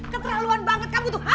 keterlaluan banget kamu tuh